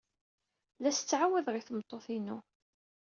La as-ttɛawadeɣ i tmeṭṭut-inu.